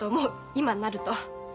今になると。